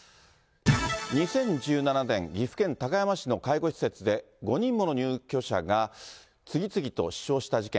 ２０１７年、岐阜県高山市の介護施設で、５人もの入居者が次々と死傷した事件。